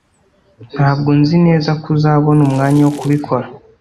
Ntabwo nzi neza ko uzabona umwanya wo kubikora